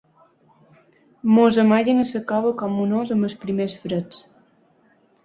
Ens amaguen a la cova com un ós amb els primers freds.